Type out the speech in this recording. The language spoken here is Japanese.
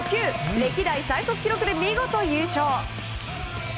歴代最速記録で見事、優勝。